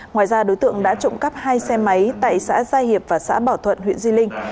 ngoài ra đối tượng đã trộm cắp hai xe máy tại xã gia hiệp và xã bảo thuận huyện di linh